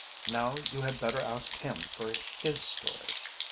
Now you had better ask him for his story."